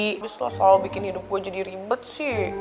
habis lo selalu bikin hidup gue jadi ribet sih